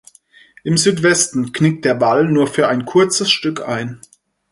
Im Südwesten knickt der Wall nur für ein kurzes Stück ein.